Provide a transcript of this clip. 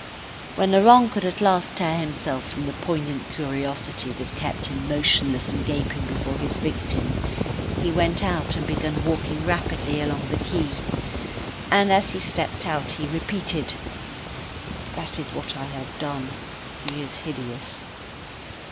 When Laurent could at last tear himself from the poignant curiosity that kept him motionless and gaping before his victim, he went out and begun walking rapidly along the quay. And as he stepped out, he repeated: "That is what I have done. He is hideous."